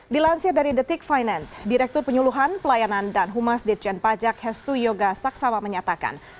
dilansir dari detik finance direktur penyuluhan pelayanan dan humas ditjen pajak hestu yoga saksawa menyatakan